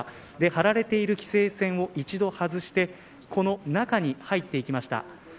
張られている規制線を一度外してこの中に入っていきました。